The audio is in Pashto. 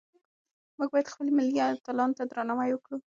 موږ باید خپل ملي اتلانو ته درناوی وکړو.